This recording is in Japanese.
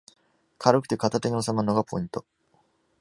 軽くて片手におさまるのがポイント